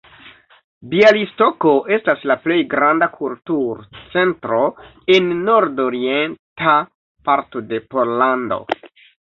Bjalistoko estas la plej granda kulturcentro en nord-orienta parto de Pollando.